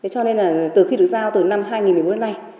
cho nên là từ khi được giao từ năm hai nghìn một mươi một đến nay